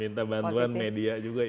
minta bantuan media juga ya